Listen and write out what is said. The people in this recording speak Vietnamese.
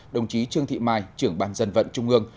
đồng chí trương thị mai trưởng ban dân vận trung ương